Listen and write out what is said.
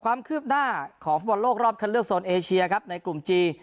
ความคืบหน้าของฟุตบอลโลกรอบคันเลือกโซนเอเชียครับในกลุ่มจีน